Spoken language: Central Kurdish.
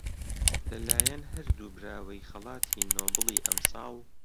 لەلایەن هەردوو براوەی خەڵاتی نۆبڵی ئەمساڵ